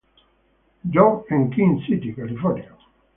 John, en King City, California.